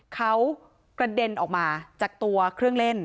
เขากระเด็นออกมาจากตัวเครื่องเล่น